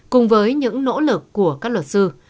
cùng với những nỗ lực của các luật sư